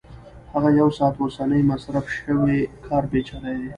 هغه یو ساعت اوسنی مصرف شوی کار پېچلی دی